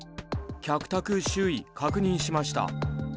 客宅周囲確認しました。